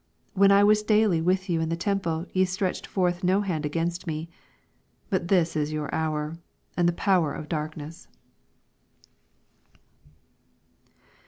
53«When I was dailv with you in the temple, ye stretched forth no hands against me : but this is your hour, and the power of darkness.